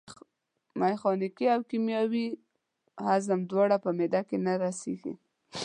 میخانیکي او کیمیاوي هضم دواړه په معدې کې نه رسېږي.